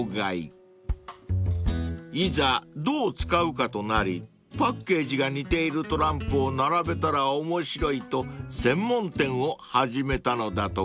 ［いざどう使うかとなりパッケージが似ているトランプを並べたら面白いと専門店を始めたのだとか］